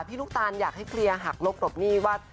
ลูกตานอยากให้เคลียร์หักลบหลบหนี้ว่า